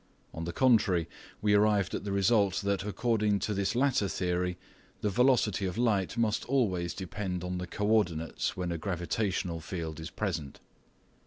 On the contrary, we arrived at the result that according to this latter theory the velocity of light must always depend on the co ordinates when a gravitational field is present.